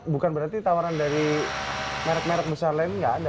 bukan berarti tawaran dari merek merek besar lainnya nggak ada